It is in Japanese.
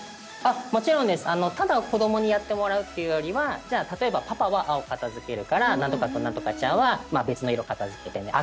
もちろんですただ子どもにやってもらうっていうよりはじゃあ例えばパパは青片付けるから何とか君何とかちゃんは別の色片付けてね